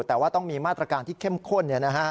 แต่ว่าต้องมีมาตรการที่เข้มข้น